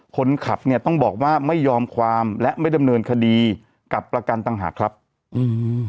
คนขับเนี้ยต้องบอกว่าไม่ยอมความและไม่ดำเนินคดีกับประกันต่างหากครับอืม